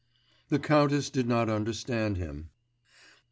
The countess did not understand him.